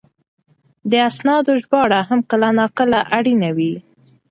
د اسنادو ژباړه هم کله ناکله اړینه وي.